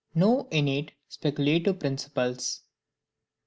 NO INNATE SPECULATIVE PRINCIPLES.